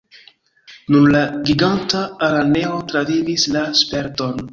Nur la Giganta Araneo travivis la sperton.